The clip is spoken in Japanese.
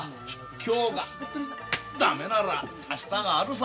今日がダメなら明日があるさ。